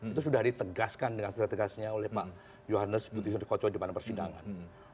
itu sudah ditegaskan dengan setelah tegasnya oleh pak johannes butisut kocok di depan persidangan